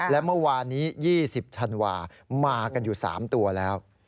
และเมื่อวานนี้๒๐ธันวามากันอยู่๓ตัวแล้ว